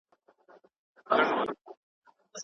ازادي باید محدوده نه سي.